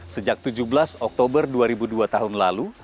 sejak tujuh belas oktober dua ribu dua tahun lalu